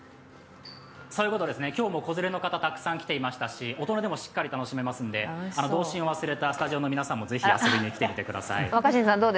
そういうことですね、今日も子連れの方たくさん来ていらっしゃいましたし大人でもしっかり楽しめますので童心を忘れたスタジオの皆さんもぜひ遊びに来てみてください。